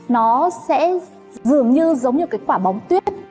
nó sẽ dường như giống như quả bóng tuyết